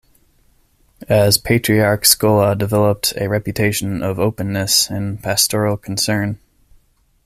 As patriarch Scola developed a reputation of openness and pastoral concern.